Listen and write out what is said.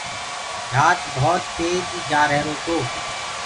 جھآج ڀوت تيج جآ رهيرو تو۔